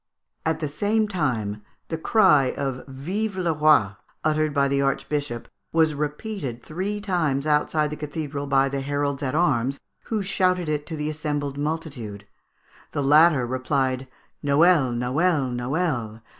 At the same time, the cry of "Vive le Roi!" uttered by the archbishop, was repeated three times outside the cathedral by the heralds at arms, who shouted it to the assembled multitude. The latter replied, "_Noel! Noel! Noel!